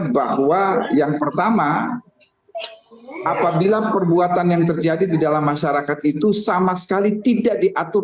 bahwa yang pertama apabila perbuatan yang terjadi di dalam masyarakat itu sama sekali tidak diatur